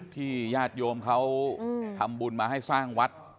ญาติโยมเขาทำบุญมาให้สร้างวัด